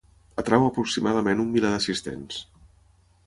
Atreu aproximadament un miler d'assistents.